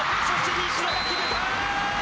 西田が決めた。